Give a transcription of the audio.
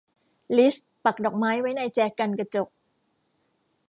ลิซปักดอกไม้ไว้ในแจกันกระจก